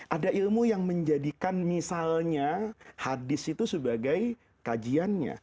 ada ilmu yang menjadikan misalnya hadis itu sebagai kajiannya